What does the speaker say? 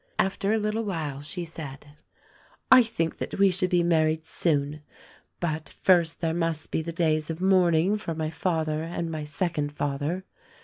After a little while she said, "I think that we should be married soon, but first there must be the days of mourn ing for my father and my second father.